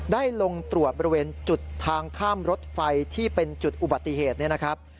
ได้ลงตรวจบริเวณจุดทางข้ามรถไฟที่เป็นจุดอุบัติเหตุเนี่ยนะครับ